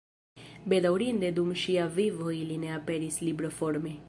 Bedaŭrinde dum ŝia vivo ili ne aperis libroforme.